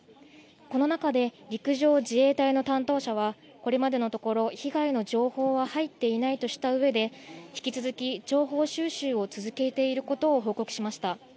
この中で陸上自衛隊の担当者はこれまでのところ被害の情報は入っていないとしたうえで引き続き、情報収集を続けていくことを報告しました。